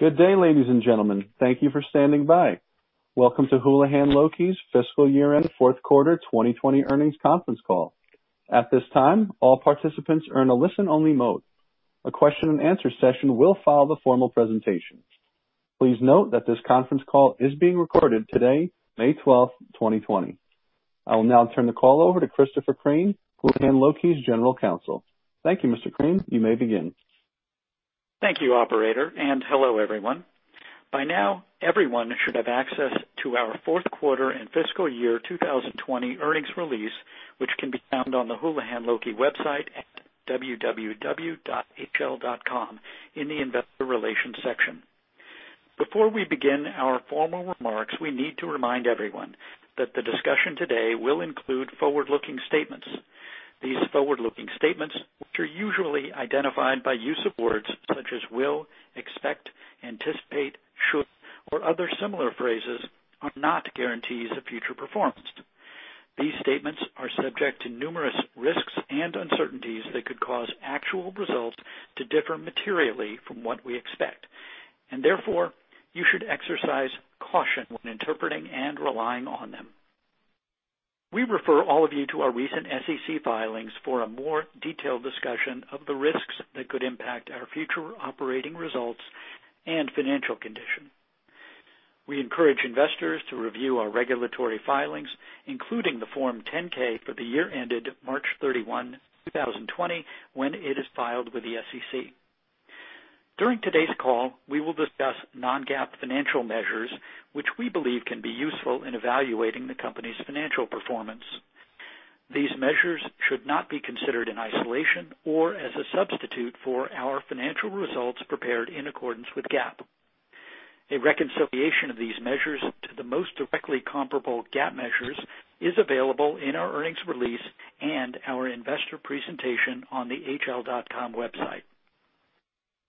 Good day, ladies and gentlemen. Thank you for standing by. Welcome to Houlihan Lokey's Fiscal Year End Fourth Quarter 2020 Earnings Conference Call. At this time, all participants are in a listen-only mode. A question-and-answer session will follow the formal presentation. Please note that this conference call is being recorded today, May 12th, 2020. I will now turn the call over to Christopher Crain, Houlihan Lokey's General Counsel. Thank you, Mr. Crain. You may begin. Thank you, Operator, and hello, everyone. By now, everyone should have access to our Fourth Quarter and Fiscal Year 2020 Earnings Release, which can be found on the Houlihan Lokey website at www.hl.com in the Investor Relations section. Before we begin our formal remarks, we need to remind everyone that the discussion today will include forward-looking statements. These forward-looking statements, which are usually identified by use of words such as will, expect, anticipate, should, or other similar phrases, are not guarantees of future performance. These statements are subject to numerous risks and uncertainties that could cause actual results to differ materially from what we expect, and therefore, you should exercise caution when interpreting and relying on them. We refer all of you to our recent SEC filings for a more detailed discussion of the risks that could impact our future operating results and financial condition. We encourage investors to review our regulatory filings, including the Form 10-K for the year ended March 31, 2020, when it is filed with the SEC. During today's call, we will discuss non-GAAP financial measures, which we believe can be useful in evaluating the company's financial performance. These measures should not be considered in isolation or as a substitute for our financial results prepared in accordance with GAAP. A reconciliation of these measures to the most directly comparable GAAP measures is available in our earnings release and our investor presentation on the hl.com website.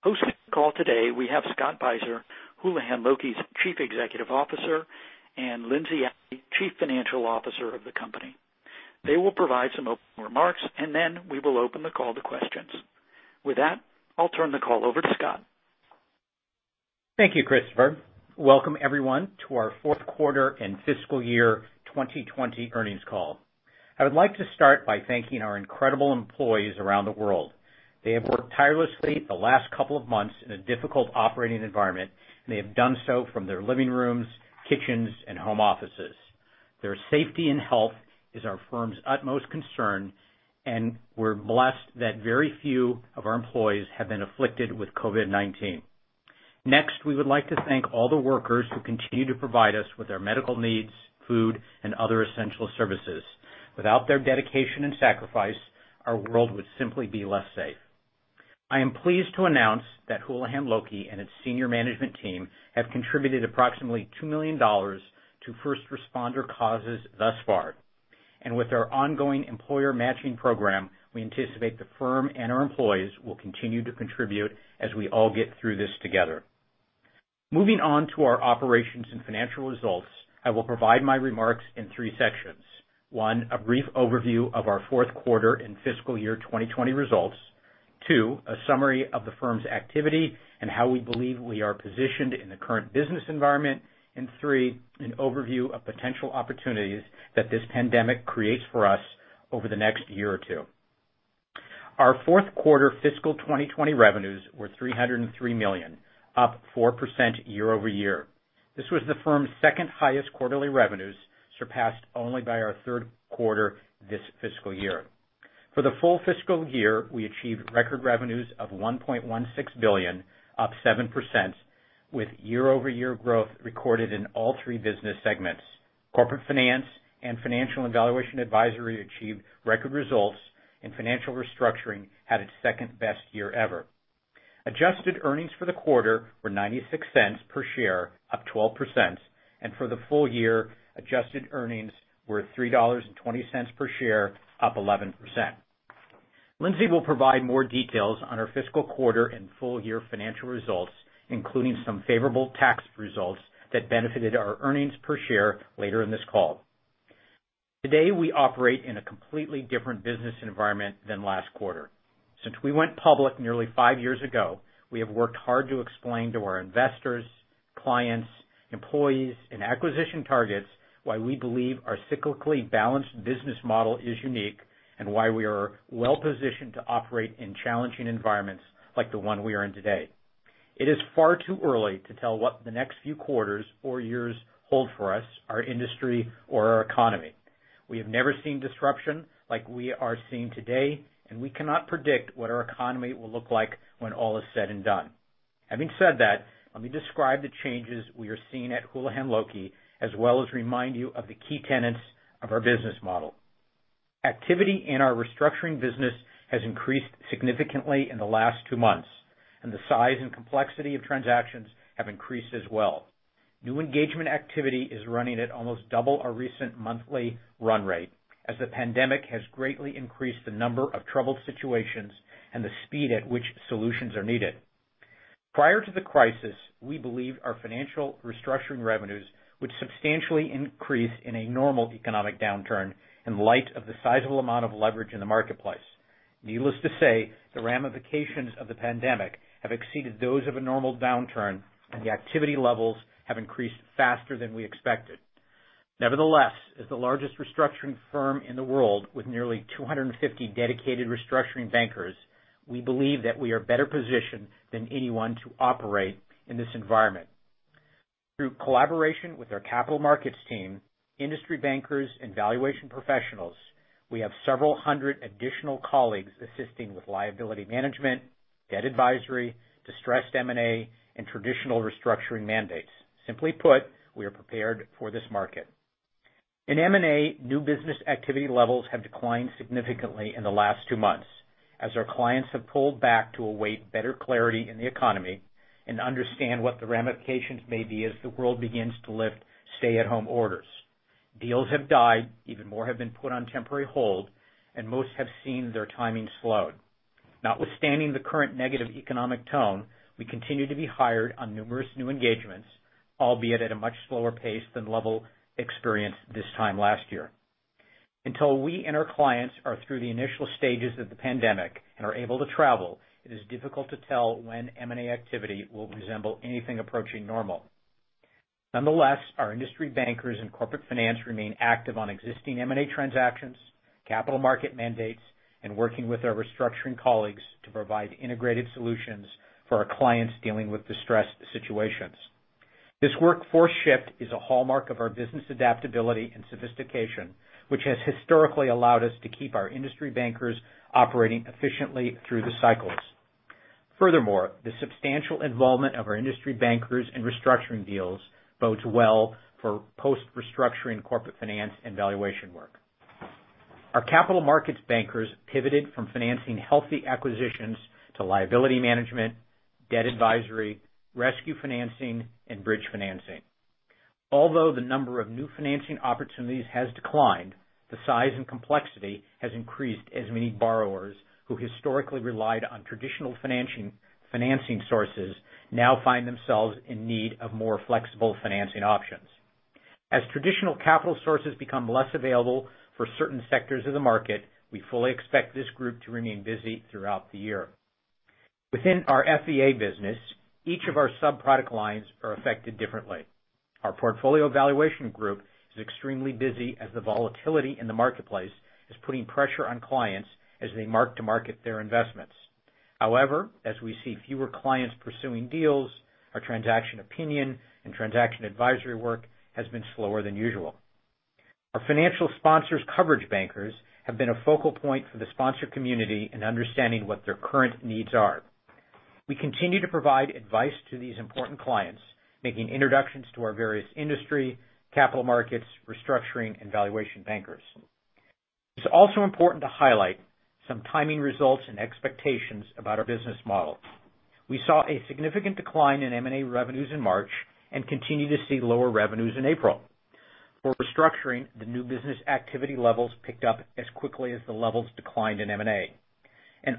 Hosting the call today, we have Scott Beiser, Houlihan Lokey's Chief Executive Officer, and Lindsey Alley, Chief Financial Officer of the company. They will provide some opening remarks, and then we will open the call to questions. With that, I'll turn the call over to Scott. Thank you, Christopher. Welcome, everyone, to our Fourth Quarter and Fiscal Year 2020 Earnings Call. I would like to start by thanking our incredible employees around the world. They have worked tirelessly the last couple of months in a difficult operating environment, and they have done so from their living rooms, kitchens, and home offices. Their safety and health is our firm's utmost concern, and we're blessed that very few of our employees have been afflicted with COVID-19. Next, we would like to thank all the workers who continue to provide us with our medical needs, food, and other essential services. Without their dedication and sacrifice, our world would simply be less safe. I am pleased to announce that Houlihan Lokey and its senior management team have contributed approximately $2 million to first responder causes thus far, and with our ongoing employer matching program, we anticipate the firm and our employees will continue to contribute as we all get through this together. Moving on to our operations and financial results, I will provide my remarks in three sections. One, a brief overview of our Fourth Quarter and Fiscal Year 2020 results. Two, a summary of the firm's activity and how we believe we are positioned in the current business environment. And three, an overview of potential opportunities that this pandemic creates for us over the next year or two. Our Fourth Quarter Fiscal 2020 revenues were $303 million, up 4% year-over-year. This was the firm's second highest quarterly revenues, surpassed only by our third quarter this fiscal year. For the full fiscal year, we achieved record revenues of $1.16 billion, up 7%, with year-over-year growth recorded in all three business segments. Corporate Finance and Financial and Valuation Advisory achieved record results, and Financial Restructuring had its second best year ever. Adjusted earnings for the quarter were $0.96 per share, up 12%, and for the full year, adjusted earnings were $3.20 per share, up 11%. Lindsey will provide more details on our fiscal quarter and full year financial results, including some favorable tax results that benefited our earnings per share later in this call. Today, we operate in a completely different business environment than last quarter. Since we went public nearly five years ago, we have worked hard to explain to our investors, clients, employees, and acquisition targets why we believe our cyclically balanced business model is unique and why we are well-positioned to operate in challenging environments like the one we are in today. It is far too early to tell what the next few quarters or years hold for us, our industry, or our economy. We have never seen disruption like we are seeing today, and we cannot predict what our economy will look like when all is said and done. Having said that, let me describe the changes we are seeing at Houlihan Lokey as well as remind you of the key tenets of our business model. Activity in our restructuring business has increased significantly in the last two months, and the size and complexity of transactions have increased as well. New engagement activity is running at almost double our recent monthly run rate, as the pandemic has greatly increased the number of troubled situations and the speed at which solutions are needed. Prior to the crisis, we believed our financial restructuring revenues would substantially increase in a normal economic downturn in light of the sizable amount of leverage in the marketplace. Needless to say, the ramifications of the pandemic have exceeded those of a normal downturn, and the activity levels have increased faster than we expected. Nevertheless, as the largest restructuring firm in the world with nearly 250 dedicated restructuring bankers, we believe that we are better positioned than anyone to operate in this environment. Through collaboration with our capital markets team, industry bankers, and valuation professionals, we have several hundred additional colleagues assisting with liability management, debt advisory, distressed M&A, and traditional restructuring mandates. Simply put, we are prepared for this market. In M&A, new business activity levels have declined significantly in the last two months, as our clients have pulled back to await better clarity in the economy and understand what the ramifications may be as the world begins to lift stay-at-home orders. Deals have died, even more have been put on temporary hold, and most have seen their timing slowed. Notwithstanding the current negative economic tone, we continue to be hired on numerous new engagements, albeit at a much slower pace than the level experienced this time last year. Until we and our clients are through the initial stages of the pandemic and are able to travel, it is difficult to tell when M&A activity will resemble anything approaching normal. Nonetheless, our industry bankers and Corporate Finance remain active on existing M&A transactions, capital market mandates, and working with our restructuring colleagues to provide integrated solutions for our clients dealing with distressed situations. This workforce shift is a hallmark of our business adaptability and sophistication, which has historically allowed us to keep our industry bankers operating efficiently through the cycles. Furthermore, the substantial involvement of our industry bankers in restructuring deals bodes well for post-restructuring Corporate Finance and valuation work. Our capital markets bankers pivoted from financing healthy acquisitions to liability management, debt advisory, rescue financing, and bridge financing. Although the number of new financing opportunities has declined, the size and complexity has increased as many borrowers who historically relied on traditional financing sources now find themselves in need of more flexible financing options. As traditional capital sources become less available for certain sectors of the market, we fully expect this group to remain busy throughout the year. Within our FVA business, each of our subproduct lines are affected differently. Our Portfolio Valuation group is extremely busy as the volatility in the marketplace is putting pressure on clients as they mark to market their investments. However, as we see fewer clients pursuing deals, our transaction opinion and transaction advisory work has been slower than usual. Our financial sponsors' coverage bankers have been a focal point for the sponsor community in understanding what their current needs are. We continue to provide advice to these important clients, making introductions to our various industry, capital markets, restructuring, and valuation bankers. It's also important to highlight some timing results and expectations about our business model. We saw a significant decline in M&A revenues in March and continue to see lower revenues in April. For restructuring, the new business activity levels picked up as quickly as the levels declined in M&A.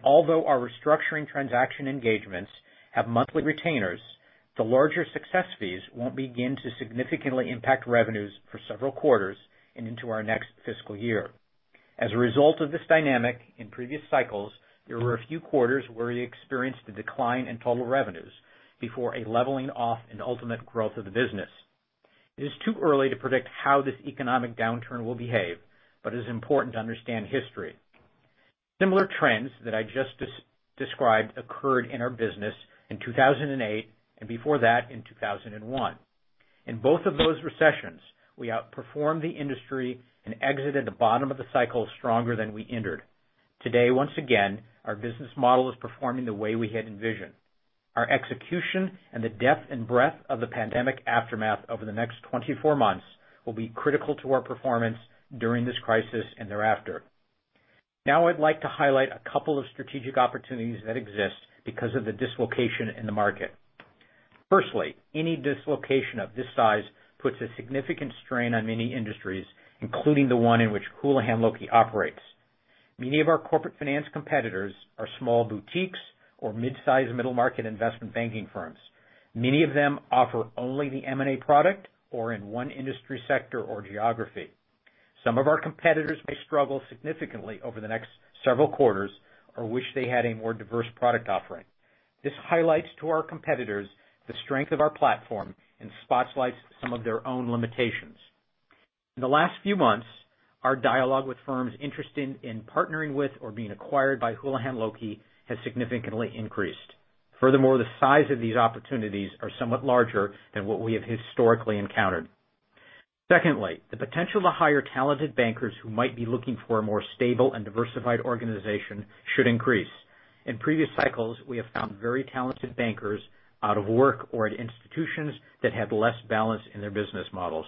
Although our restructuring transaction engagements have monthly retainers, the larger success fees won't begin to significantly impact revenues for several quarters and into our next fiscal year. As a result of this dynamic, in previous cycles, there were a few quarters where we experienced a decline in total revenues before a leveling off in the ultimate growth of the business. It is too early to predict how this economic downturn will behave, but it is important to understand history. Similar trends that I just described occurred in our business in 2008 and before that in 2001. In both of those recessions, we outperformed the industry and exited the bottom of the cycle stronger than we entered. Today, once again, our business model is performing the way we had envisioned. Our execution and the depth and breadth of the pandemic aftermath over the next 24 months will be critical to our performance during this crisis and thereafter. Now, I'd like to highlight a couple of strategic opportunities that exist because of the dislocation in the market. Firstly, any dislocation of this size puts a significant strain on many industries, including the one in which Houlihan Lokey operates. Many of our Corporate Finance competitors are small boutiques or mid-size middle market investment banking firms. Many of them offer only the M&A product or in one industry sector or geography. Some of our competitors may struggle significantly over the next several quarters or wish they had a more diverse product offering. This highlights to our competitors the strength of our platform and spotlights some of their own limitations. In the last few months, our dialogue with firms interested in partnering with or being acquired by Houlihan Lokey has significantly increased. Furthermore, the size of these opportunities is somewhat larger than what we have historically encountered. Secondly, the potential to hire talented bankers who might be looking for a more stable and diversified organization should increase. In previous cycles, we have found very talented bankers out of work or at institutions that had less balance in their business models.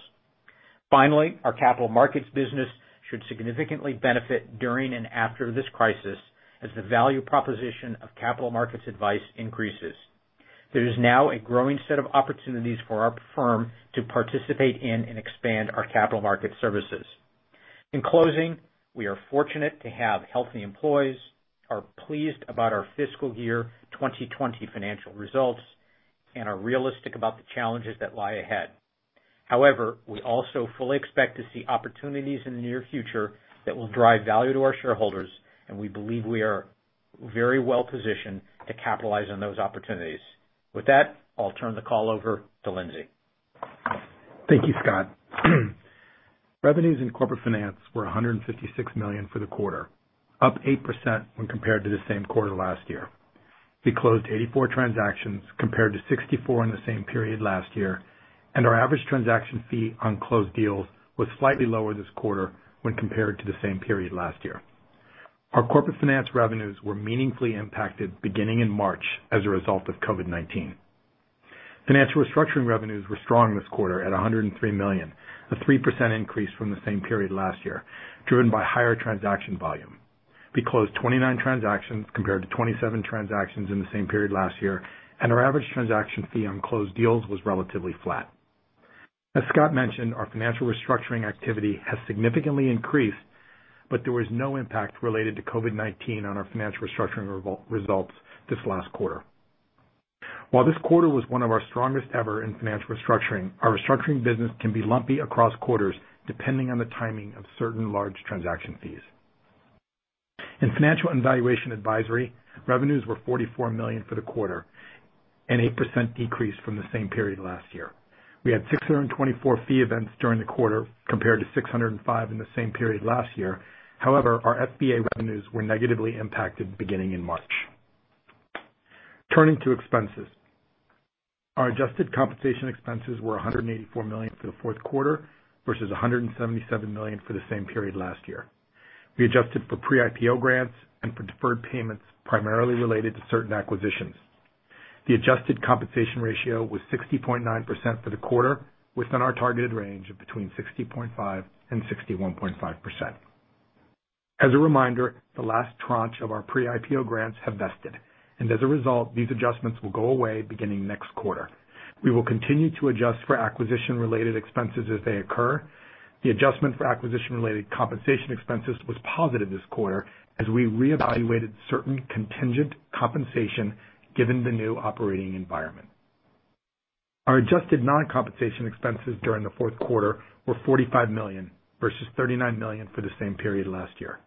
Finally, our capital markets business should significantly benefit during and after this crisis as the value proposition of capital markets advice increases. There is now a growing set of opportunities for our firm to participate in and expand our capital market services. In closing, we are fortunate to have healthy employees, are pleased about our fiscal year 2020 financial results, and are realistic about the challenges that lie ahead. However, we also fully expect to see opportunities in the near future that will drive value to our shareholders, and we believe we are very well-positioned to capitalize on those opportunities. With that, I'll turn the call over to Lindsey. Thank you, Scott. Revenues in Corporate Finance were $156 million for the quarter, up 8% when compared to the same quarter last year. We closed 84 transactions compared to 64 in the same period last year, and our average transaction fee on closed deals was slightly lower this quarter when compared to the same period last year. Our Corporate Finance revenues were meaningfully impacted beginning in March as a result of COVID-19. Financial Restructuring revenues were strong this quarter at $103 million, a 3% increase from the same period last year, driven by higher transaction volume. We closed 29 transactions compared to 27 transactions in the same period last year, and our average transaction fee on closed deals was relatively flat. As Scott mentioned, our Financial Restructuring activity has significantly increased, but there was no impact related to COVID-19 on our Financial Restructuring results this last quarter. While this quarter was one of our strongest ever in financial restructuring, our restructuring business can be lumpy across quarters depending on the timing of certain large transaction fees. In Financial and Valuation Advisory, revenues were $44 million for the quarter, an 8% decrease from the same period last year. We had 624 fee events during the quarter compared to 605 in the same period last year. However, our FVA revenues were negatively impacted beginning in March. Turning to expenses, our adjusted compensation expenses were $184 million for the fourth quarter versus $177 million for the same period last year. We adjusted for pre-IPO grants and for deferred payments primarily related to certain acquisitions. The adjusted compensation ratio was 60.9% for the quarter, within our targeted range of between 60.5% and 61.5%. As a reminder, the last tranche of our pre-IPO grants have vested, and as a result, these adjustments will go away beginning next quarter. We will continue to adjust for acquisition-related expenses as they occur. The adjustment for acquisition-related compensation expenses was positive this quarter as we reevaluated certain contingent compensation given the new operating environment. Our adjusted non-compensation expenses during the fourth quarter were $45 million versus $39 million for the same period last year.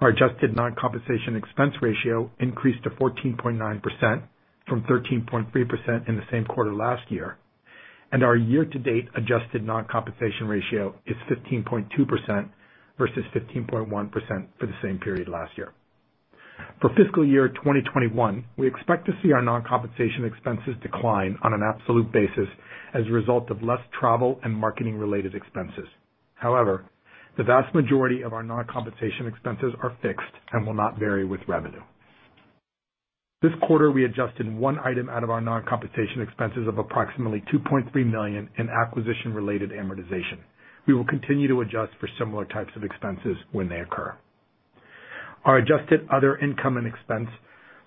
Our adjusted non-compensation expense ratio increased to 14.9% from 13.3% in the same quarter last year, and our year-to-date adjusted non-compensation ratio is 15.2% versus 15.1% for the same period last year. For fiscal year 2021, we expect to see our non-compensation expenses decline on an absolute basis as a result of less travel and marketing-related expenses. However, the vast majority of our non-compensation expenses are fixed and will not vary with revenue. This quarter, we adjusted one item out of our non-compensation expenses of approximately $2.3 million in acquisition-related amortization. We will continue to adjust for similar types of expenses when they occur. Our adjusted other income and expense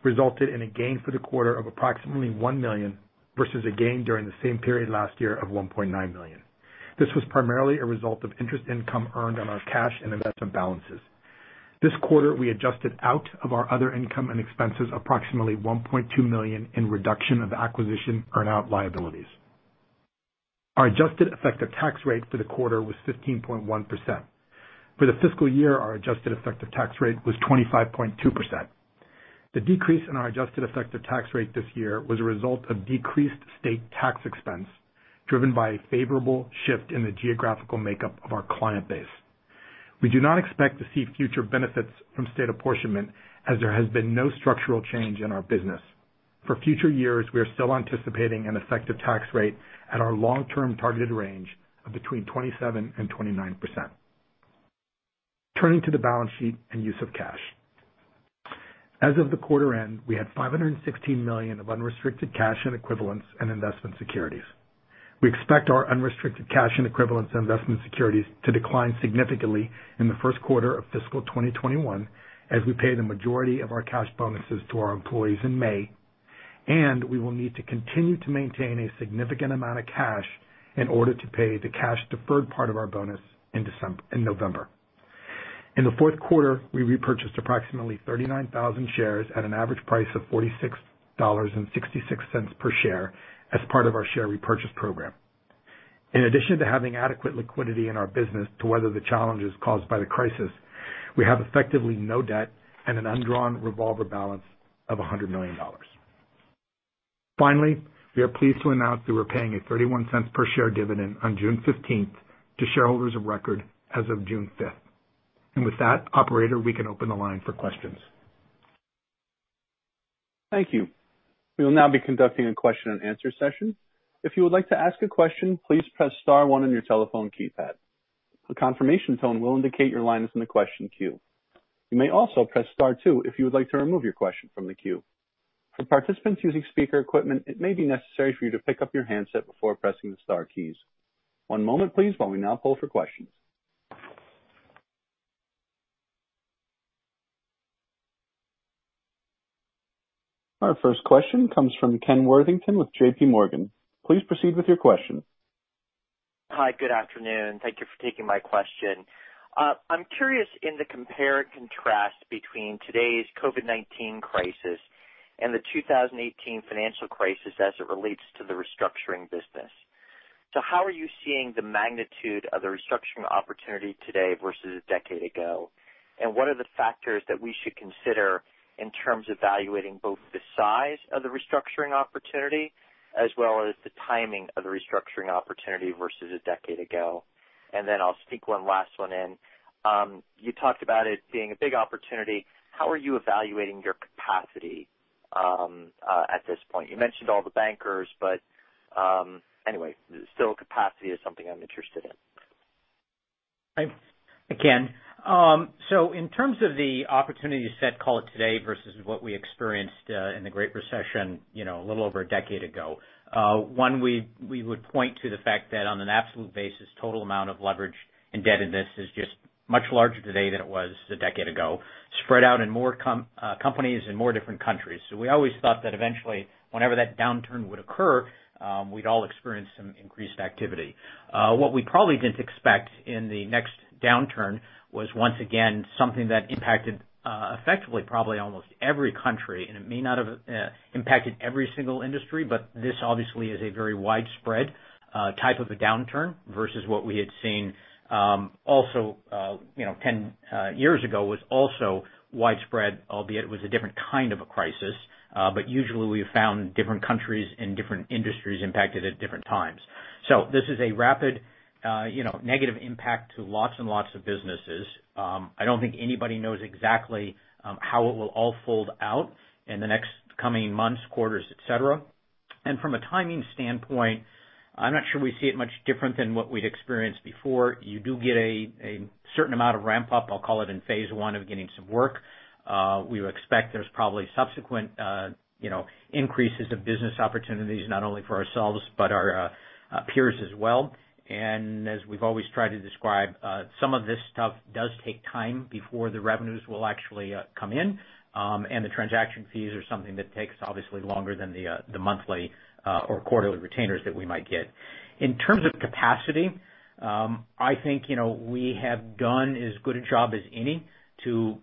resulted in a gain for the quarter of approximately $1 million versus a gain during the same period last year of $1.9 million. This was primarily a result of interest income earned on our cash and investment balances. This quarter, we adjusted out of our other income and expenses approximately $1.2 million in reduction of acquisition earn-out liabilities. Our adjusted effective tax rate for the quarter was 15.1%. For the fiscal year, our adjusted effective tax rate was 25.2%. The decrease in our adjusted effective tax rate this year was a result of decreased state tax expense driven by a favorable shift in the geographical makeup of our client base. We do not expect to see future benefits from state apportionment as there has been no structural change in our business. For future years, we are still anticipating an effective tax rate at our long-term targeted range of between 27% and 29%. Turning to the balance sheet and use of cash. As of the quarter end, we had $516 million of unrestricted cash and equivalents and investment securities. We expect our unrestricted cash and equivalents and investment securities to decline significantly in the first quarter of fiscal 2021 as we pay the majority of our cash bonuses to our employees in May, and we will need to continue to maintain a significant amount of cash in order to pay the cash-deferred part of our bonus in November. In the fourth quarter, we repurchased approximately 39,000 shares at an average price of $46.66 per share as part of our share repurchase program. In addition to having adequate liquidity in our business to weather the challenges caused by the crisis, we have effectively no debt and an undrawn revolver balance of $100 million. Finally, we are pleased to announce that we're paying a $0.31 per share dividend on June 15th to shareholders of record as of June 5th. And with that, Operator, we can open the line for questions. Thank you. We will now be conducting a question-and-answer session. If you would like to ask a question, please press star one on your telephone keypad. A confirmation tone will indicate your line is in the question queue. You may also press star two if you would like to remove your question from the queue. For participants using speaker equipment, it may be necessary for you to pick up your handset before pressing the star keys. One moment, please, while we now pull for questions. Our first question comes from Ken Worthington with JPMorgan. Please proceed with your question. Hi, good afternoon. Thank you for taking my question. I'm curious in the compare and contrast between today's COVID-19 crisis and the 2018 financial crisis as it relates to the restructuring business. So how are you seeing the magnitude of the restructuring opportunity today versus a decade ago? And what are the factors that we should consider in terms of evaluating both the size of the restructuring opportunity as well as the timing of the restructuring opportunity versus a decade ago? And then I'll sneak one last one in. You talked about it being a big opportunity. How are you evaluating your capacity at this point? You mentioned all the bankers, but anyway, still capacity is something I'm interested in. Hi. Ken. So in terms of the opportunity set, call it, today versus what we experienced in the Great Recession a little over a decade ago, one, we would point to the fact that on an absolute basis, total amount of leveraged indebtedness is just much larger today than it was a decade ago, spread out in more companies in more different countries. So we always thought that eventually, whenever that downturn would occur, we'd all experience some increased activity. What we probably didn't expect in the next downturn was once again something that impacted effectively probably almost every country, and it may not have impacted every single industry, but this obviously is a very widespread type of a downturn versus what we had seen also 10 years ago was also widespread, albeit it was a different kind of a crisis. But usually, we have found different countries and different industries impacted at different times. So this is a rapid negative impact to lots and lots of businesses. I don't think anybody knows exactly how it will all fold out in the next coming months, quarters, etc. And from a timing standpoint, I'm not sure we see it much different than what we'd experienced before. You do get a certain amount of ramp-up, I'll call it in phase one of getting some work. We would expect there's probably subsequent increases of business opportunities not only for ourselves but our peers as well. And as we've always tried to describe, some of this stuff does take time before the revenues will actually come in, and the transaction fees are something that takes obviously longer than the monthly or quarterly retainers that we might get. In terms of capacity, I think we have done as good a job as any to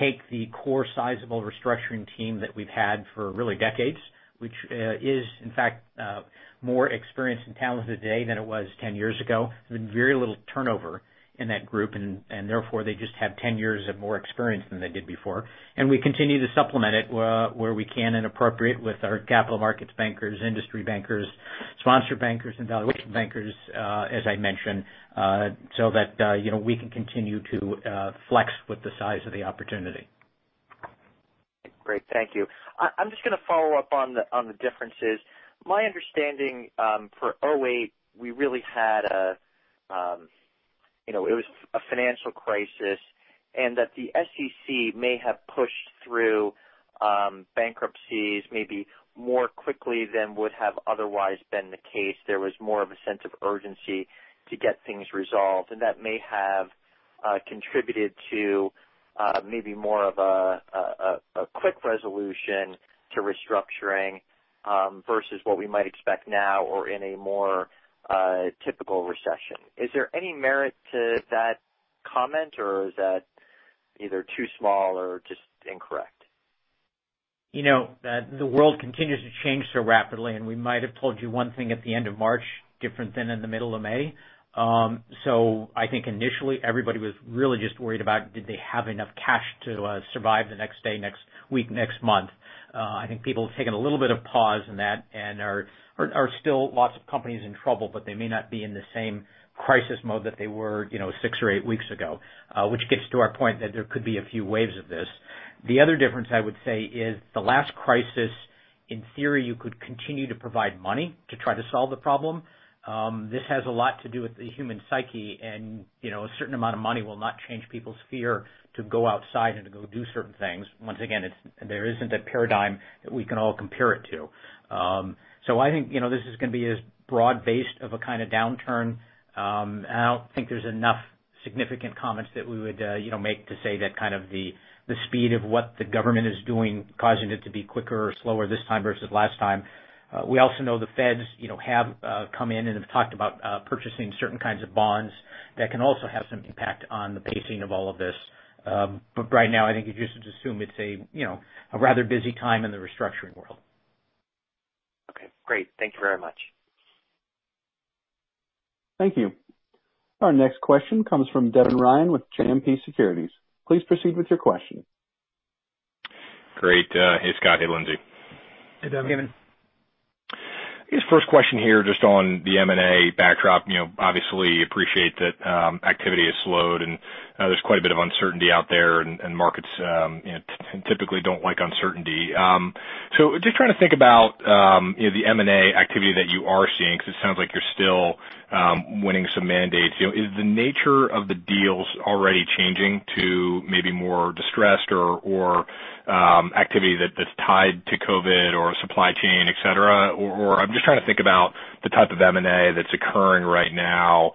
take the core sizable restructuring team that we've had for really decades, which is in fact more experienced and talented today than it was 10 years ago. There's been very little turnover in that group, and therefore, they just have 10 years of more experience than they did before, and we continue to supplement it where we can and appropriate with our capital markets bankers, industry bankers, sponsored bankers, and valuation bankers, as I mentioned, so that we can continue to flex with the size of the opportunity. Great. Thank you. I'm just going to follow up on the differences. My understanding for 2008, we really had it was a financial crisis and that the SEC may have pushed through bankruptcies maybe more quickly than would have otherwise been the case. There was more of a sense of urgency to get things resolved, and that may have contributed to maybe more of a quick resolution to restructuring versus what we might expect now or in a more typical recession. Is there any merit to that comment, or is that either too small or just incorrect? The world continues to change so rapidly, and we might have told you one thing at the end of March different than in the middle of May. So I think initially, everybody was really just worried about did they have enough cash to survive the next day, next week, next month. I think people have taken a little bit of pause in that and are still lots of companies in trouble, but they may not be in the same crisis mode that they were six or eight weeks ago, which gets to our point that there could be a few waves of this. The other difference I would say is the last crisis, in theory, you could continue to provide money to try to solve the problem. This has a lot to do with the human psyche, and a certain amount of money will not change people's fear to go outside and to go do certain things. Once again, there isn't a paradigm that we can all compare it to. So I think this is going to be as broad-based of a kind of downturn. I don't think there's enough significant comments that we would make to say that kind of the speed of what the government is doing causing it to be quicker or slower this time versus last time. We also know the Feds have come in and have talked about purchasing certain kinds of bonds that can also have some impact on the pacing of all of this. But right now, I think you just assume it's a rather busy time in the restructuring world. Okay. Great. Thank you very much. Thank you. Our next question comes from Devin Ryan with JMP Securities. Please proceed with your question. Great. Hey, Scott. Hey, Lindsey. Hey, Devin. His first question here just on the M&A backdrop. Obviously, appreciate that activity has slowed, and there's quite a bit of uncertainty out there, and markets typically don't like uncertainty. So just trying to think about the M&A activity that you are seeing because it sounds like you're still winning some mandates. Is the nature of the deals already changing to maybe more distressed or activity that's tied to COVID or supply chain, etc.? Or I'm just trying to think about the type of M&A that's occurring right now,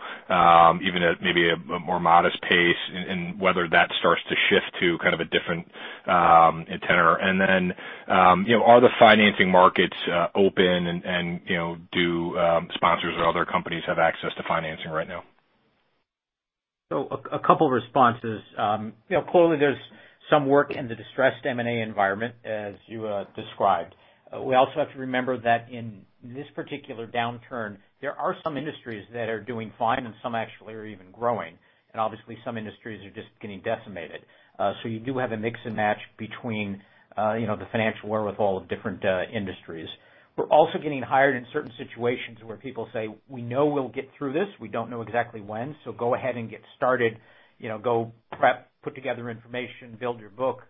even at maybe a more modest pace, and whether that starts to shift to kind of a different tenor. And then are the financing markets open and do sponsors or other companies have access to financing right now? So a couple of responses. Clearly, there's some work in the distressed M&A environment, as you described. We also have to remember that in this particular downturn, there are some industries that are doing fine and some actually are even growing. And obviously, some industries are just getting decimated. So you do have a mix and match between the financial wherewithal of different industries. We're also getting hired in certain situations where people say, "We know we'll get through this. We don't know exactly when. So go ahead and get started. Go prep, put together information, build your book,"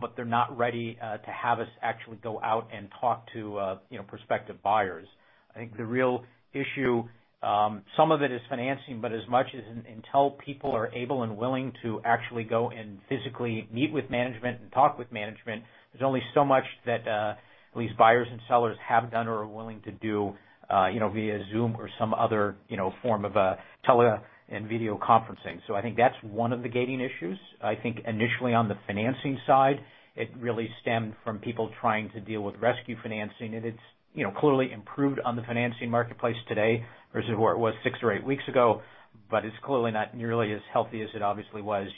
but they're not ready to have us actually go out and talk to prospective buyers. I think the real issue, some of it is financing, but as much as until people are able and willing to actually go and physically meet with management and talk with management, there's only so much that at least buyers and sellers have done or are willing to do via Zoom or some other form of tele and video conferencing. So I think that's one of the gating issues. I think initially on the financing side, it really stemmed from people trying to deal with rescue financing, and it's clearly improved on the financing marketplace today versus where it was six or eight weeks ago, but it's clearly not nearly as healthy as it obviously was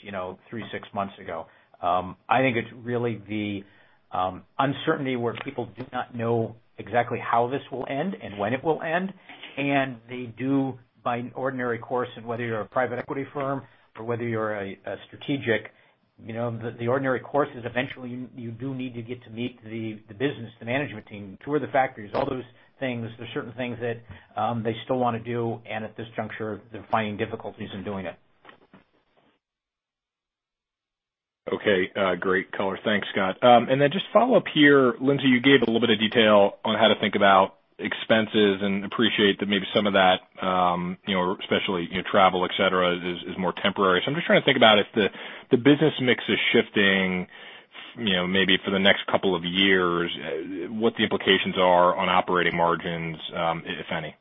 three, six months ago. I think it's really the uncertainty where people do not know exactly how this will end and when it will end. They do, by ordinary course, and whether you're a private equity firm or whether you're a strategic, the ordinary course is eventually you do need to get to meet the business, the management team, tour the factories, all those things. There are certain things that they still want to do, and at this juncture, they're finding difficulties in doing it. Okay. Great. Color, thanks, Scott. And then just follow up here. Lindsey, you gave a little bit of detail on how to think about expenses and appreciate that maybe some of that, especially travel, etc., is more temporary. So I'm just trying to think about if the business mix is shifting maybe for the next couple of years, what the implications are on operating margins, if any?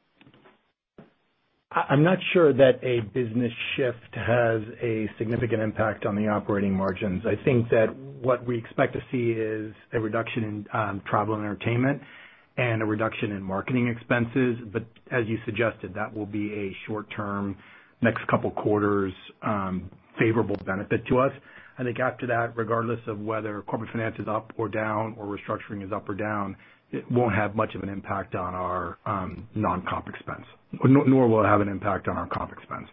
I'm not sure that a business shift has a significant impact on the operating margins. I think that what we expect to see is a reduction in travel and entertainment and a reduction in marketing expenses. But as you suggested, that will be a short-term, next couple of quarters favorable benefit to us. I think after that, regardless of whether Corporate Finance is up or down or restructuring is up or down, it won't have much of an impact on our non-comp expense, nor will it have an impact on our comp expense.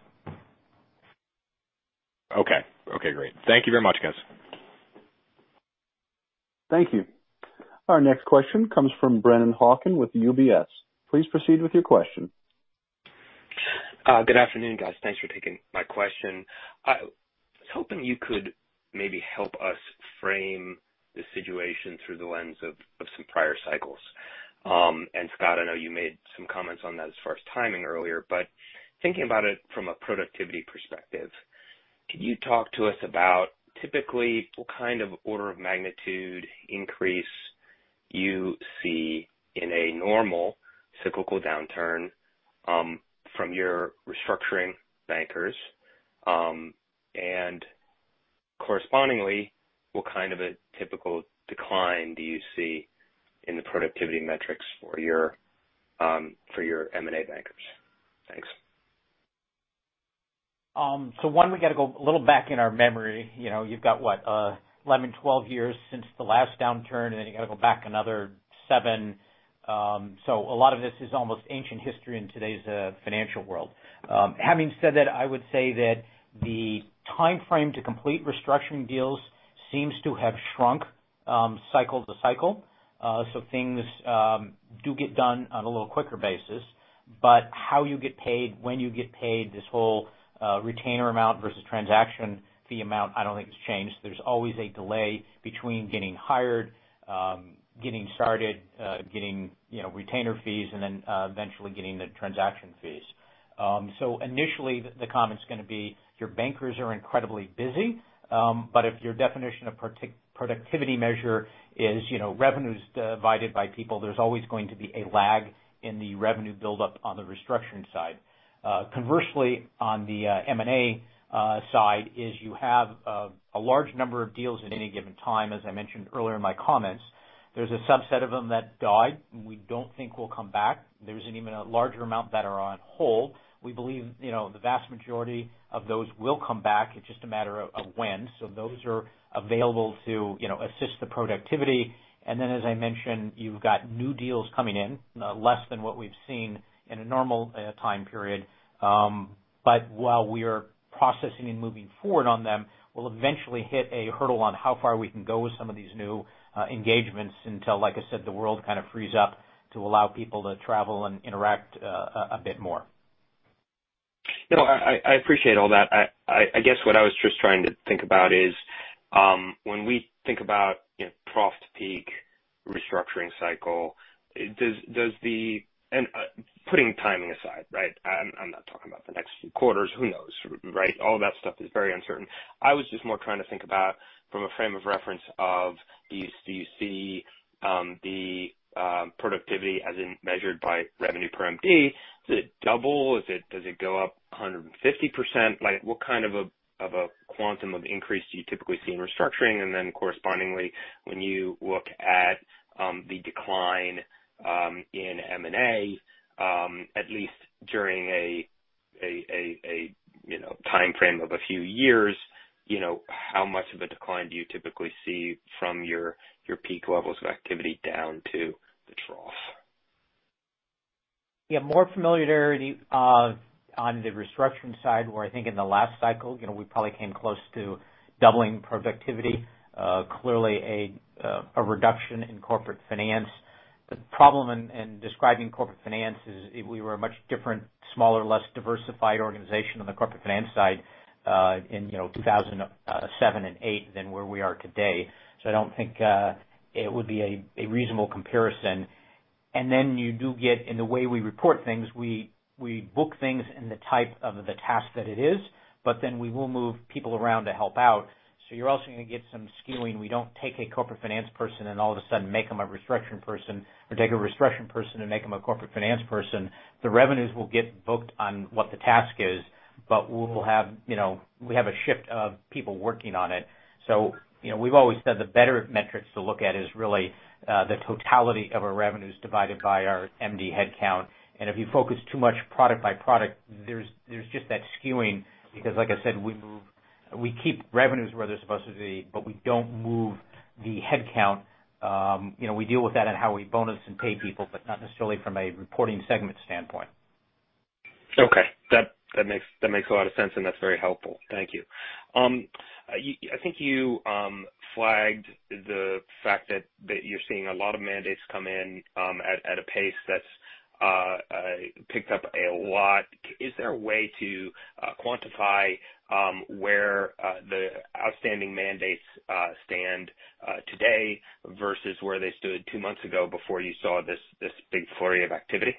Okay. Okay. Great. Thank you very much, guys. Thank you. Our next question comes from Brennan Hawken with UBS. Please proceed with your question. Good afternoon, guys. Thanks for taking my question. I was hoping you could maybe help us frame the situation through the lens of some prior cycles. And Scott, I know you made some comments on that as far as timing earlier, but thinking about it from a productivity perspective, can you talk to us about typically what kind of order of magnitude increase you see in a normal cyclical downturn from your restructuring bankers? And correspondingly, what kind of a typical decline do you see in the productivity metrics for your M&A bankers? Thanks. So one, we got to go a little back in our memory. You've got what, 11-12 years since the last downturn, and then you got to go back another seven. So a lot of this is almost ancient history in today's financial world. Having said that, I would say that the timeframe to complete restructuring deals seems to have shrunk cycle to cycle. So things do get done on a little quicker basis. But how you get paid, when you get paid, this whole retainer amount versus transaction fee amount, I don't think has changed. There's always a delay between getting hired, getting started, getting retainer fees, and then eventually getting the transaction fees. Initially, the comment's going to be, "Your bankers are incredibly busy." But if your definition of productivity measure is revenues divided by people, there's always going to be a lag in the revenue buildup on the restructuring side. Conversely, on the M&A side, you have a large number of deals at any given time. As I mentioned earlier in my comments, there's a subset of them that died. We don't think will come back. There's even a larger amount that are on hold. We believe the vast majority of those will come back. It's just a matter of when. So those are available to assist the productivity. And then, as I mentioned, you've got new deals coming in, less than what we've seen in a normal time period. But while we are processing and moving forward on them, we'll eventually hit a hurdle on how far we can go with some of these new engagements until, like I said, the world kind of frees up to allow people to travel and interact a bit more. I appreciate all that. I guess what I was just trying to think about is when we think about profit peak restructuring cycle, does the—and putting timing aside, right? I'm not talking about the next few quarters. Who knows, right? All that stuff is very uncertain. I was just more trying to think about from a frame of reference of do you see the productivity as measured by revenue per MD? Does it double? Does it go up 150%? What kind of a quantum of increase do you typically see in restructuring? And then correspondingly, when you look at the decline in M&A, at least during a timeframe of a few years, how much of a decline do you typically see from your peak levels of activity down to the trough? Yeah. More familiarity on the restructuring side where I think in the last cycle, we probably came close to doubling productivity. Clearly, a reduction in Corporate Finance. The problem in describing Corporate Finance is we were a much different, smaller, less diversified organization on the Corporate Finance side in 2007 and 2008 than where we are today, so I don't think it would be a reasonable comparison, and then you do get in the way we report things, we book things in the type of the task that it is, but then we will move people around to help out, so you're also going to get some skewing. We don't take a Corporate Finance person and all of a sudden make them a restructuring person or take a restructuring person and make them a Corporate Finance person. The revenues will get booked on what the task is, but we have a shift of people working on it. So we've always said the better metrics to look at is really the totality of our revenues divided by our MD headcount. And if you focus too much product by product, there's just that skewing because, like I said, we keep revenues where they're supposed to be, but we don't move the headcount. We deal with that in how we bonus and pay people, but not necessarily from a reporting segment standpoint. Okay. That makes a lot of sense, and that's very helpful. Thank you. I think you flagged the fact that you're seeing a lot of mandates come in at a pace that's picked up a lot. Is there a way to quantify where the outstanding mandates stand today versus where they stood two months ago before you saw this big flurry of activity?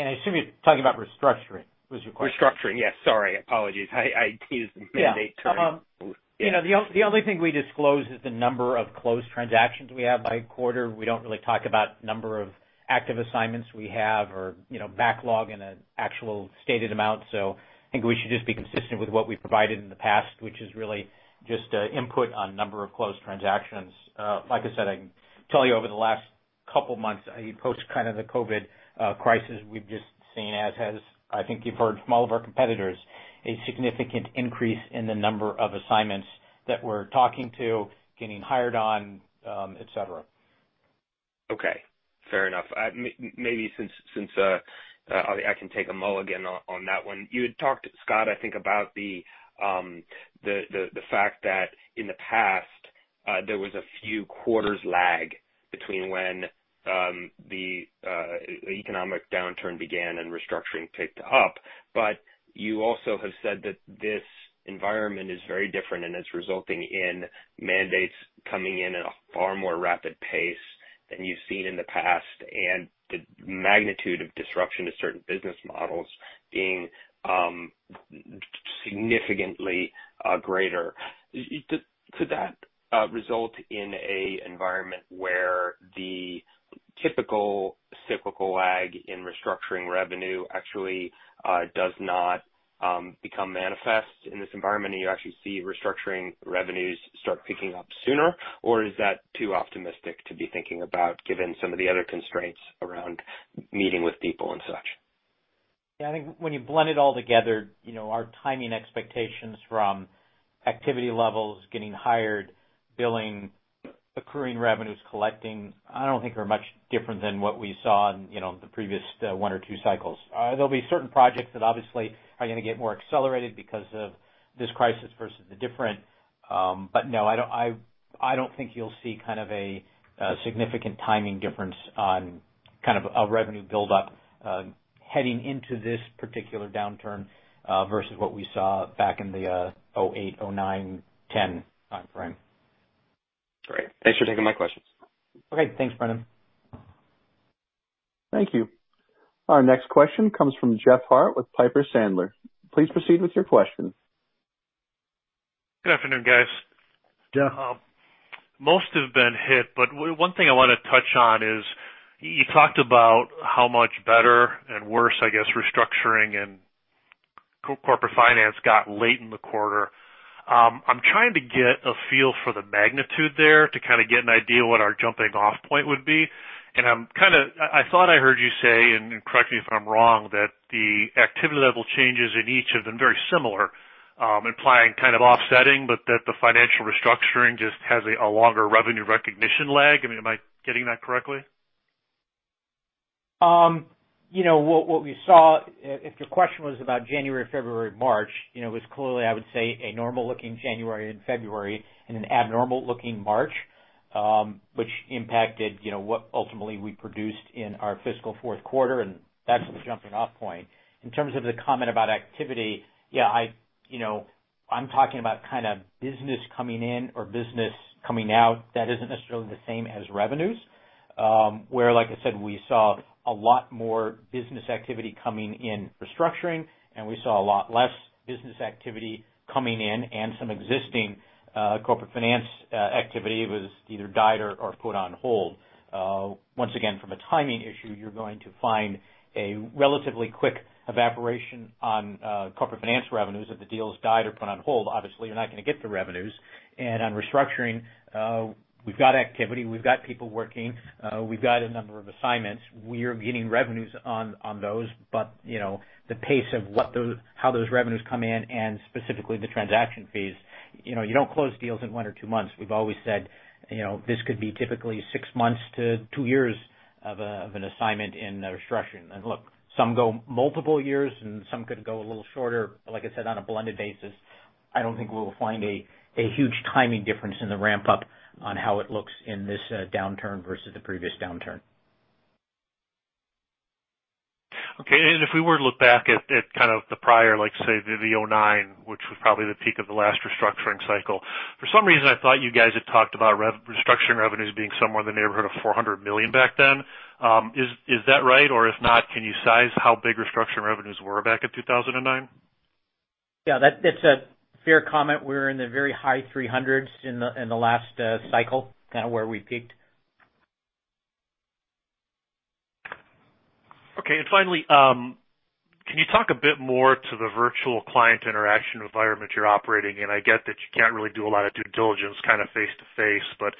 I assume you're talking about restructuring. Was your question? Restructuring. Yes. Sorry. Apologies. I used mandate terms. The only thing we disclose is the number of closed transactions we have by quarter. We don't really talk about the number of active assignments we have or backlog in an actual stated amount. So I think we should just be consistent with what we've provided in the past, which is really just input on number of closed transactions. Like I said, I can tell you over the last couple of months, post kind of the COVID crisis, we've just seen, as I think you've heard from all of our competitors, a significant increase in the number of assignments that we're talking to, getting hired on, etc. Okay. Fair enough. Maybe since I can take a mulligan again on that one. You had talked, Scott, I think, about the fact that in the past, there was a few quarters' lag between when the economic downturn began and restructuring picked up. But you also have said that this environment is very different and is resulting in mandates coming in at a far more rapid pace than you've seen in the past and the magnitude of disruption to certain business models being significantly greater. Could that result in an environment where the typical cyclical lag in restructuring revenue actually does not become manifest in this environment and you actually see restructuring revenues start picking up sooner, or is that too optimistic to be thinking about given some of the other constraints around meeting with people and such? Yeah. I think when you blend it all together, our timing expectations from activity levels, getting hired, billing, accruing revenues, collecting, I don't think are much different than what we saw in the previous one or two cycles. There'll be certain projects that obviously are going to get more accelerated because of this crisis versus the different. But no, I don't think you'll see kind of a significant timing difference on kind of a revenue buildup heading into this particular downturn versus what we saw back in the 2008, 2009, 2010 timeframe. Great. Thanks for taking my questions. Okay. Thanks, Brennan. Thank you. Our next question comes from Jeff Harte with Piper Sandler. Please proceed with your question. Good afternoon, guys. Yeah. Most have been hit, but one thing I want to touch on is you talked about how much better and worse, I guess, restructuring and Corporate Finance got late in the quarter. I'm trying to get a feel for the magnitude there to kind of get an idea of what our jumping-off point would be. And I thought I heard you say, and correct me if I'm wrong, that the activity level changes in each have been very similar, implying kind of offsetting, but that the financial restructuring just has a longer revenue recognition lag. I mean, am I getting that correctly? What we saw, if your question was about January, February, March, it was clearly, I would say, a normal-looking January and February and an abnormal-looking March, which impacted what ultimately we produced in our fiscal fourth quarter, and that's the jumping-off point. In terms of the comment about activity, yeah, I'm talking about kind of business coming in or business coming out. That isn't necessarily the same as revenues, where, like I said, we saw a lot more business activity coming in restructuring, and we saw a lot less business activity coming in, and some existing Corporate Finance activity was either died or put on hold. Once again, from a timing issue, you're going to find a relatively quick evaporation on Corporate Finance revenues if the deals died or put on hold. Obviously, you're not going to get the revenues, and on restructuring, we've got activity. We've got people working. We've got a number of assignments. We are getting revenues on those, but the pace of how those revenues come in and specifically the transaction fees. You don't close deals in one or two months. We've always said this could be typically six months to two years of an assignment in restructuring, and look, some go multiple years, and some could go a little shorter, like I said, on a blended basis. I don't think we will find a huge timing difference in the ramp-up on how it looks in this downturn versus the previous downturn. Okay. And if we were to look back at kind of the prior, like I say, the 2009, which was probably the peak of the last restructuring cycle, for some reason, I thought you guys had talked about restructuring revenues being somewhere in the neighborhood of $400 million back then. Is that right? Or if not, can you size how big restructuring revenues were back in 2009? Yeah. That's a fair comment. We were in the very high 300s in the last cycle, kind of where we peaked. Okay. And finally, can you talk a bit more to the virtual client interaction environment you're operating? And I get that you can't really do a lot of due diligence kind of face to face, but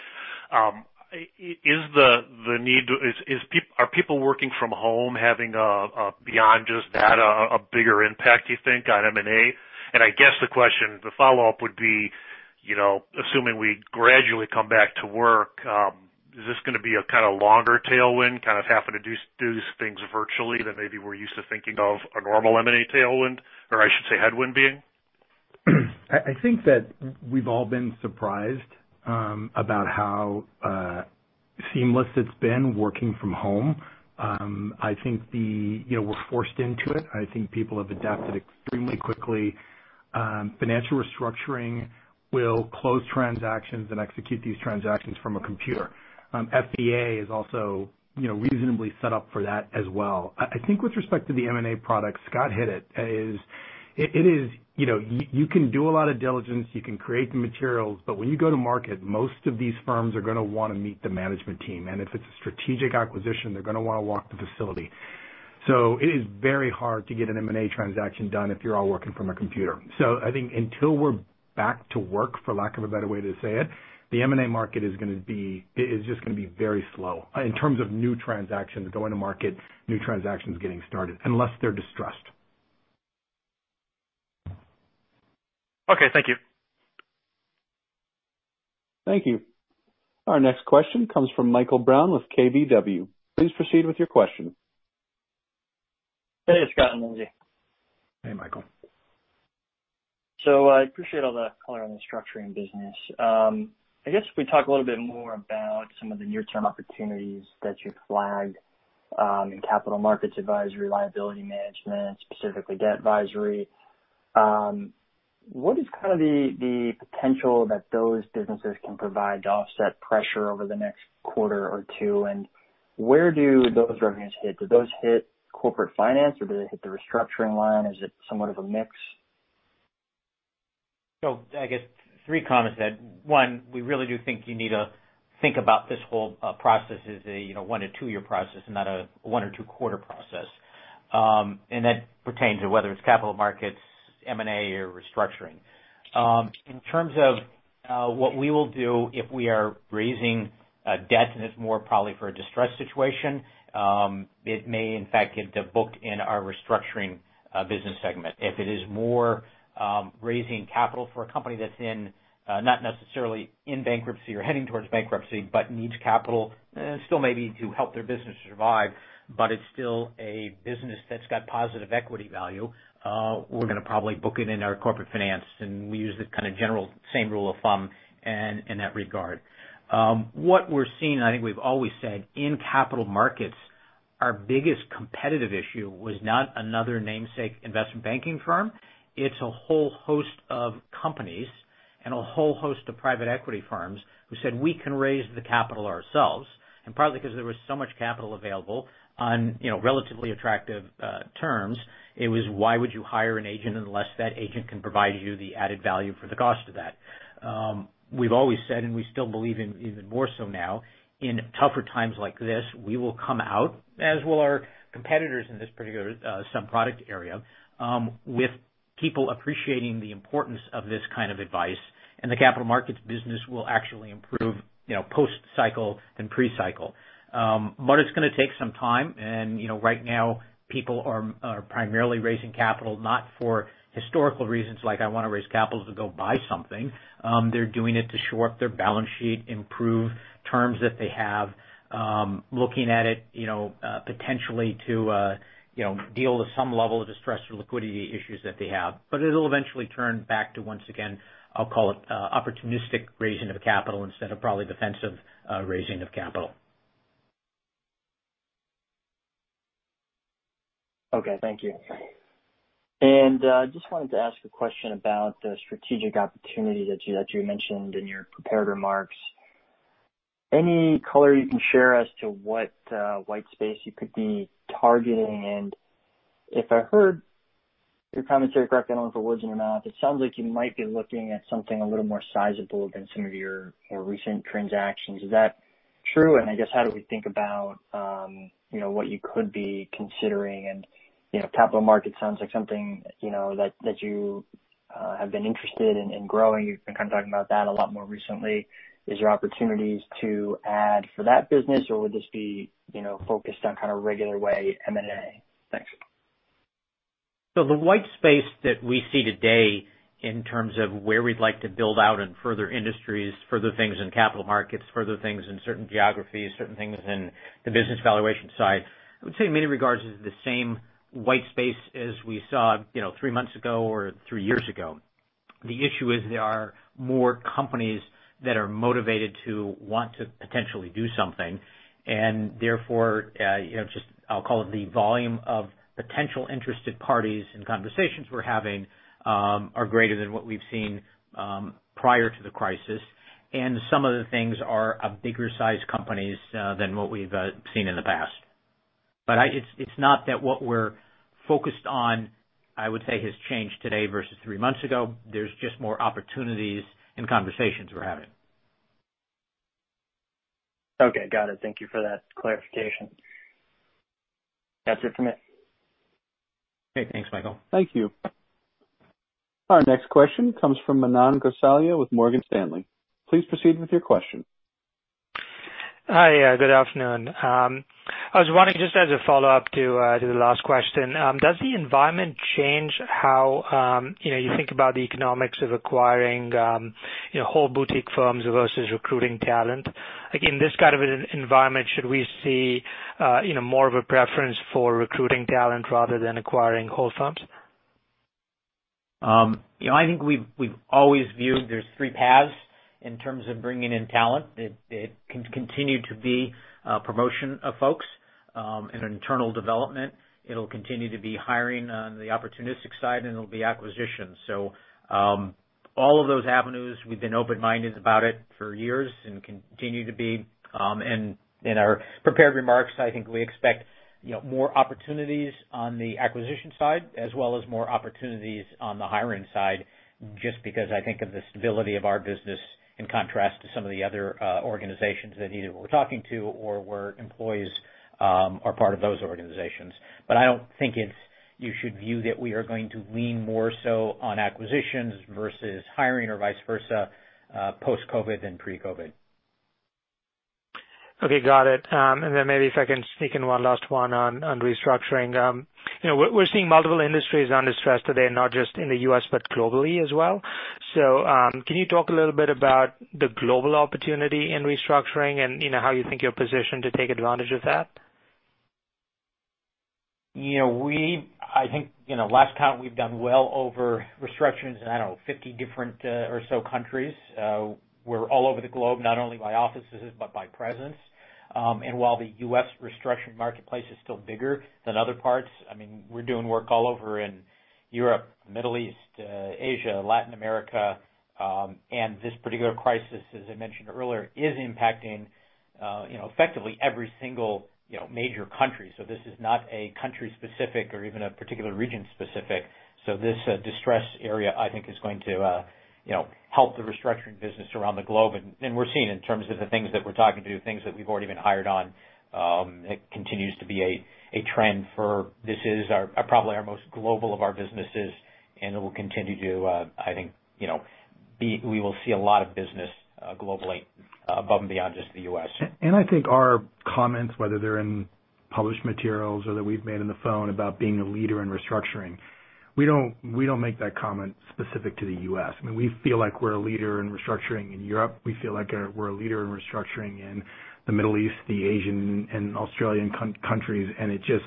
is the need—are people working from home having a—beyond just that, a bigger impact, do you think, on M&A? And I guess the question, the follow-up would be, assuming we gradually come back to work, is this going to be a kind of longer tailwind, kind of having to do things virtually than maybe we're used to thinking of a normal M&A tailwind, or I should say headwind being? I think that we've all been surprised about how seamless it's been working from home. I think we're forced into it. I think people have adapted extremely quickly. Financial Restructuring will close transactions and execute these transactions from a computer. FVA is also reasonably set up for that as well. I think with respect to the M&A product, Scott hit it. It is you can do a lot of diligence. You can create the materials, but when you go to market, most of these firms are going to want to meet the management team, and if it's a strategic acquisition, they're going to want to walk the facility. So it is very hard to get an M&A transaction done if you're all working from a computer. So I think until we're back to work, for lack of a better way to say it, the M&A market is going to be. It's just going to be very slow in terms of new transactions going to market, new transactions getting started, unless they're distressed. Okay. Thank you. Thank you. Our next question comes from Michael Brown with KBW. Please proceed with your question. Hey, Scott and Lindsey. Hey, Michael. So I appreciate all the color on the structuring business. I guess we talk a little bit more about some of the near-term opportunities that you've flagged in capital markets advisory, liability management, specifically debt advisory. What is kind of the potential that those businesses can provide to offset pressure over the next quarter or two? And where do those revenues hit? Do those hit Corporate Finance, or do they hit the restructuring line? Is it somewhat of a mix? So I guess three comments to that. One, we really do think you need to think about this whole process as a one-two year process and not a one-two quarter process. And that pertains to whether it's capital markets, M&A, or restructuring. In terms of what we will do if we are raising debt and it's more probably for a distressed situation, it may, in fact, get booked in our restructuring business segment. If it is more raising capital for a company that's not necessarily in bankruptcy or heading towards bankruptcy but needs capital still maybe to help their business survive, but it's still a business that's got positive equity value, we're going to probably book it in our Corporate Finance. And we use the kind of general same rule of thumb in that regard. What we're seeing, and I think we've always said, in capital markets, our biggest competitive issue was not another namesake investment banking firm. It's a whole host of companies and a whole host of private equity firms who said, "We can raise the capital ourselves," and partly because there was so much capital available on relatively attractive terms, it was, "Why would you hire an agent unless that agent can provide you the added value for the cost of that?" We've always said, and we still believe in even more so now, in tougher times like this, we will come out, as will our competitors in this particular sub-product area, with people appreciating the importance of this kind of advice, and the capital markets business will actually improve post-cycle and pre-cycle, but it's going to take some time. And right now, people are primarily raising capital not for historical reasons like, "I want to raise capital to go buy something." They're doing it to shore up their balance sheet, improve terms that they have, looking at it potentially to deal with some level of distressed liquidity issues that they have. But it'll eventually turn back to, once again, I'll call it opportunistic raising of capital instead of probably defensive raising of capital. Okay. Thank you. And I just wanted to ask a question about the strategic opportunity that you mentioned in your prepared remarks. Any color you can share as to what white space you could be targeting? And if I heard your comments very correctly, I don't want to put words in your mouth. It sounds like you might be looking at something a little more sizable than some of your more recent transactions. Is that true? And I guess, how do we think about what you could be considering? And capital market sounds like something that you have been interested in growing. You've been kind of talking about that a lot more recently. Is there opportunities to add for that business, or would this be focused on kind of regular way M&A? Thanks. So the white space that we see today in terms of where we'd like to build out in further industries, further things in capital markets, further things in certain geographies, certain things in the business valuation side, I would say in many regards, it's the same white space as we saw three months ago or three years ago. The issue is there are more companies that are motivated to want to potentially do something. And therefore, just I'll call it the volume of potential interested parties in conversations we're having are greater than what we've seen prior to the crisis. And some of the things are of bigger size companies than what we've seen in the past. But it's not that what we're focused on, I would say, has changed today versus three months ago. There's just more opportunities in conversations we're having. Okay. Got it. Thank you for that clarification. That's it for me. Okay. Thanks, Michael. Thank you. Our next question comes from Manan Gosalia with Morgan Stanley. Please proceed with your question. Hi. Good afternoon. I was wanting just as a follow-up to the last question, does the environment change how you think about the economics of acquiring whole boutique firms versus recruiting talent? In this kind of environment, should we see more of a preference for recruiting talent rather than acquiring whole firms? I think we've always viewed there's three paths in terms of bringing in talent. It can continue to be promotion of folks and internal development. It'll continue to be hiring on the opportunistic side, and it'll be acquisition, so all of those avenues, we've been open-minded about it for years and continue to be, and in our prepared remarks, I think we expect more opportunities on the acquisition side as well as more opportunities on the hiring side just because I think of the stability of our business in contrast to some of the other organizations that either we're talking to or where employees are part of those organizations, but I don't think you should view that we are going to lean more so on acquisitions versus hiring or vice versa post-COVID than pre-COVID. Okay. Got it. And then maybe if I can sneak in one last one on restructuring. We're seeing multiple industries under stress today, not just in the U.S., but globally as well. So can you talk a little bit about the global opportunity in restructuring and how you think you're positioned to take advantage of that? I think last count, we've done well over restructurings in, I don't know, 50 different or so countries. We're all over the globe, not only by offices but by presence, and while the U.S. restructuring marketplace is still bigger than other parts, I mean, we're doing work all over in Europe, the Middle East, Asia, Latin America. This particular crisis, as I mentioned earlier, is impacting effectively every single major country, so this is not a country-specific or even a particular region-specific, so this distressed area, I think, is going to help the restructuring business around the globe, and we're seeing in terms of the things that we're talking to, things that we've already been hired on, it continues to be a trend for this is probably our most global of our businesses. It will continue to, I think, we will see a lot of business globally above and beyond just the U.S. And I think our comments, whether they're in published materials or that we've made on the phone about being a leader in restructuring, we don't make that comment specific to the U.S. I mean, we feel like we're a leader in restructuring in Europe. We feel like we're a leader in restructuring in the Middle East, Asia and Australian countries. And it just,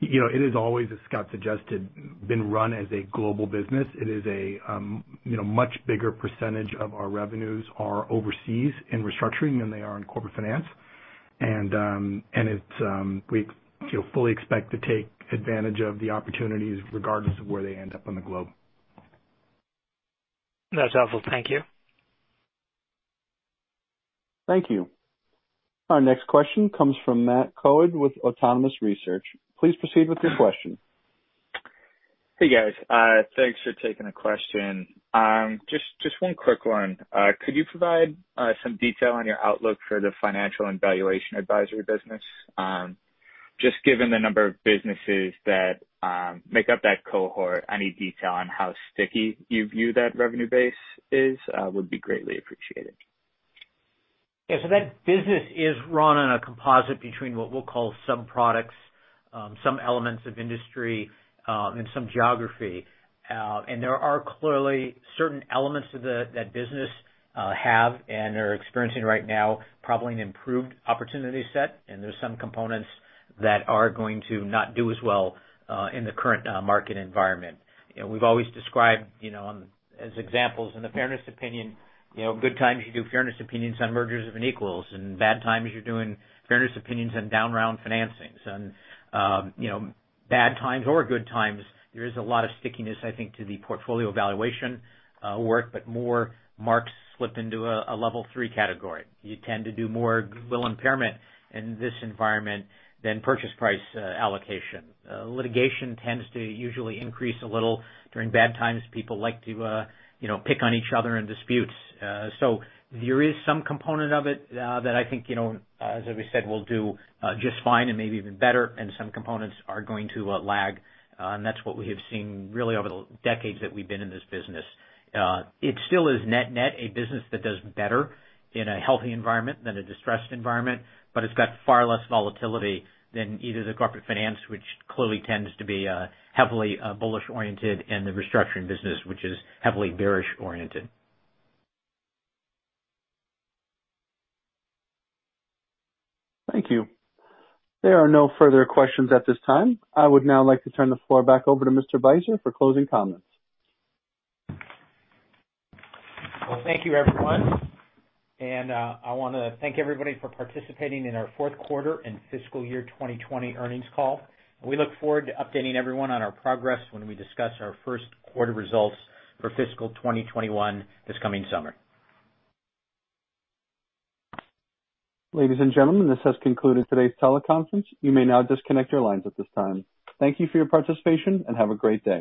it is always, as Scott suggested, been run as a global business. It is a much bigger percentage of our revenues are overseas in restructuring than they are in Corporate Finance. And we fully expect to take advantage of the opportunities regardless of where they end up on the globe. That's helpful. Thank you. Thank you. Our next question comes from Matt Coad with Autonomous Research. Please proceed with your question. Hey, guys. Thanks for taking the question. Just one quick one. Could you provide some detail on your outlook for the Financial and Valuation Advisory business? Just given the number of businesses that make up that cohort, any detail on how sticky you view that revenue base is would be greatly appreciated. Yeah. So that business is run on a composite between what we'll call sub-products, some elements of industry, and some geography. And there are clearly certain elements that business have and are experiencing right now, probably an improved opportunity set. And there's some components that are going to not do as well in the current market environment. We've always described as examples, in the fairness opinion, good times you do fairness opinions on mergers of unequals, and bad times you're doing fairness opinions on down-round financings. And bad times or good times, there is a lot of stickiness, I think, to the portfolio valuation work, but more marks slip into a level three category. You tend to do more goodwill impairment in this environment than purchase price allocation. Litigation tends to usually increase a little. During bad times, people like to pick on each other in disputes. There is some component of it that I think, as we said, will do just fine and maybe even better, and some components are going to lag. That's what we have seen really over the decades that we've been in this business. It still is net-net a business that does better in a healthy environment than a distressed environment, but it's got far less volatility than either the Corporate Finance, which clearly tends to be heavily bullish-oriented, and the restructuring business, which is heavily bearish-oriented. Thank you. There are no further questions at this time. I would now like to turn the floor back over to Mr. Beiser for closing comments. Thank you, everyone. I want to thank everybody for participating in our Fourth Quarter and Fiscal Year 2020 Earnings Call. We look forward to updating everyone on our progress when we discuss our first quarter results for fiscal 2021 this coming summer. Ladies and gentlemen, this has concluded today's teleconference. You may now disconnect your lines at this time. Thank you for your participation and have a great day.